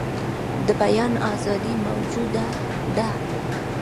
د بیان آزادي موجوده ده.